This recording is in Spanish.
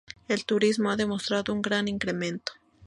El turismo ha mostrado un gran incremento.